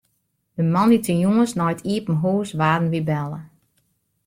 De moandeitejûns nei it iepen hús waarden wy belle.